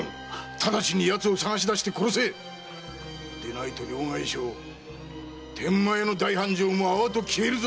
ただちに奴を捜し出して殺せ‼でないと両替商・天満屋の大繁盛も泡と消えるぞ！